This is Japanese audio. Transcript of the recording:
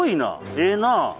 ええなあ。